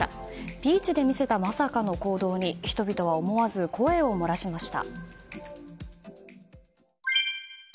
ビーチで見せたまさかの行動に人々は、思わず声を漏らしました。